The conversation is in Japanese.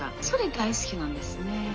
それ大好きなんですね。